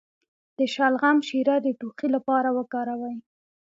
د شلغم شیره د ټوخي لپاره وکاروئ